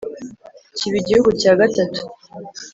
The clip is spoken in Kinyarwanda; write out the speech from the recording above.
kiba igihugu cya gatatu